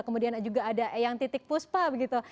kemudian juga ada yang titik puspa begitu